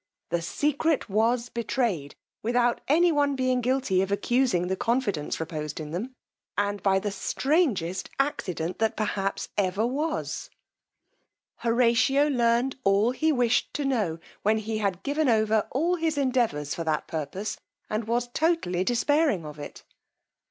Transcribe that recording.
The secret was betrayed, without any one being guilty of accusing the confidence reposed in them, and by the strangest accident that perhaps ever was, Horatio learned all he wished to know when he had given over all his endeavours for that purpose, and was totally despairing of it.